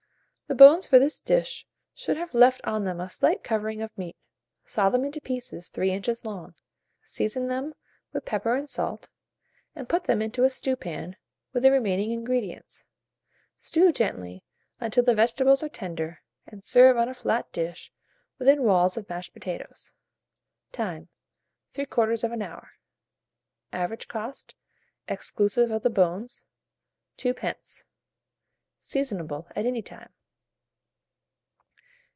The bones for this dish should have left on them a slight covering of meat; saw them into pieces 3 inches long; season them with pepper and salt, and put them into a stewpan with the remaining ingredients. Stew gently, until the vegetables are tender, and serve on a flat dish within walls of mashed potatoes. Time. 3/4 hour. Average cost, exclusive of the bones, 2d. Seasonable at any time.